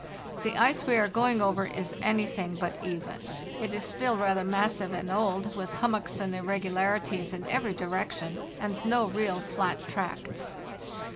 The ice we are going over is anything but even; it is still rather massive and old, with hummocks and irregularities in every direction, and no real flat tracts.